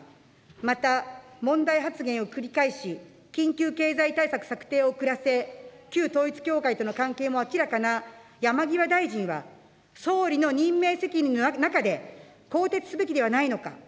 また、問題発言を繰り返し、緊急経済対策策定を遅らせ、旧統一教会との関係も明らかな山際大臣は、総理の任命責任の中で、更迭すべきではないのか。